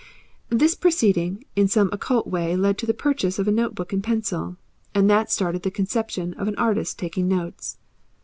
This proceeding in some occult way led to the purchase of a note book and pencil, and that started the conception of an artist taking notes.